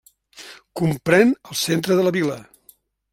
Comprèn el centre de la vila.